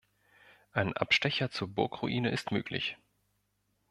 Ein Abstecher zur Burgruine ist möglich.